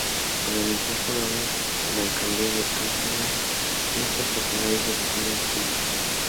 Organizó por orden de la alcaldía de Ámsterdam fiestas populares y oficiales y desfiles.